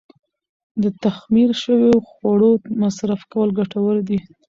د تخمیر شوو خوړو مصرف کول ګټور دي.